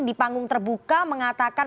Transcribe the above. di panggung terbuka mengatakan